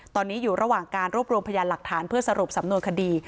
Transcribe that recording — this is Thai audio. ตอนนี้อยู่ระหว่างการรวบรวมพยานหลักฐานเพื่อสรุปสำนวนคดี